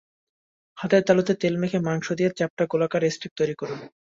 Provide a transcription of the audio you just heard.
হাতের তালুতে তেল মেখে মাংস দিয়ে চ্যাপ্টা গোলাকার স্টেক তৈরি করুন।